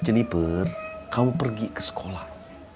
jenniper kamu pergi ke sekolah